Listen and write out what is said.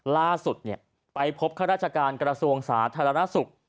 ล่าสุดไปพบข้าราชการกระทรวงสาธารณสุข